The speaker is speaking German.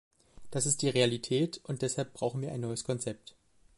Das ist die Realität, und deshalb brauchen wir ein neues Konzept.